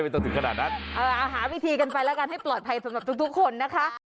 ต้องถึงขนาดนั้นหาวิธีกันไปแล้วกันให้ปลอดภัยสำหรับทุกคนนะคะ